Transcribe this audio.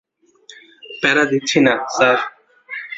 প্যারা দিচ্ছি না, স্যার।